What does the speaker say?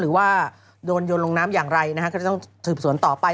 หรือว่าโดนลงน้ำอย่างไรไงก็ต้องส่งสวนต่อไป